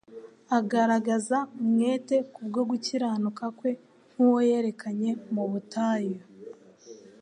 agaragaza umwete kubwo gukiranuka kwe nk'uwo yerekanye mu butayu